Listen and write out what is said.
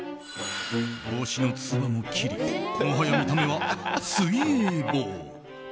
帽子のつばも切りもはや見た目は水泳帽。